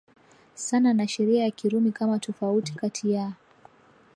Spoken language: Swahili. sana na sheria ya Kirumi kama tofauti kati ya